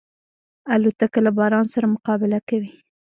الوتکه له باران سره مقابله کوي.